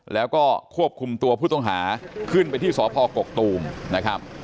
แล้วก็ควบคุมตัวผู้ต้องหาขึ้นไปที่สพกกตูมนะครับ